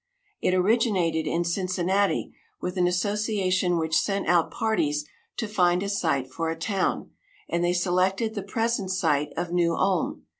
It originated in Cincinnati, with an association which sent out parties to find a site for a town, and they selected the present site of New Ulm.